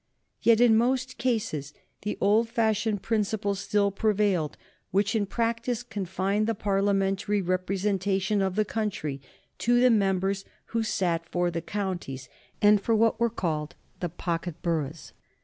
Yet in most cases the old fashioned principle still prevailed which in practice confined the Parliamentary representation of the country to the members who sat for the counties, and for what were called the pocket boroughs.